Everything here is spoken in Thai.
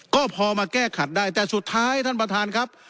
ก็พอมาแก้ขัดได้แต่สุดท้ายท่านประธานครับ